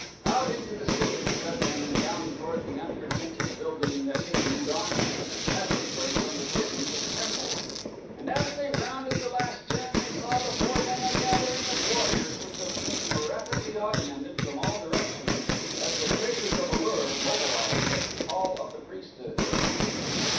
Out into the city he led them and down toward the unpretentious building that hid Lu don's secret passageway from the city to the temple, and as they rounded the last turn they saw before them a gathering of warriors which was being rapidly augmented from all directions as the traitors of A lur mobilized at the call of the priesthood.